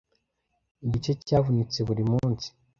igice cyavunitse buri munsi